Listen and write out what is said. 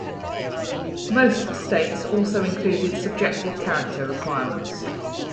Most states also included subjective character requirements.